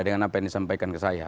dengan apa yang disampaikan ke saya